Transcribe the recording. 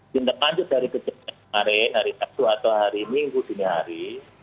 tindak lanjut dari kejadian kemarin hari sabtu atau hari minggu dini hari